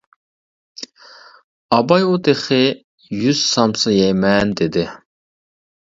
ئاباي ئۇ تېخى يۈز سامسا يەيمەن دېدى.